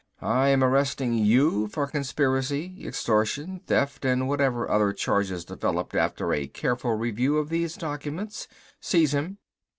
"I am arresting you for conspiracy, extortion, theft, and whatever other charges develop after a careful review of these documents. Seize him."